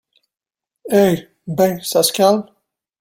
Eh ! ben, ça se calme ?